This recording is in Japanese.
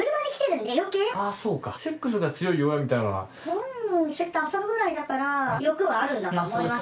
本人そうやって遊ぶぐらいだから欲はあるんだと思いますよ